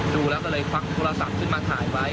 ดูแล้วก็เลยควักโทรศัพท์ขึ้นมาถ่ายไว้